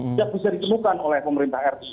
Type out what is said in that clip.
tidak bisa ditemukan oleh pemerintah ri